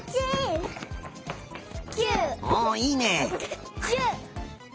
おいいね。